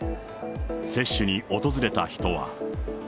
接種に訪れた人は。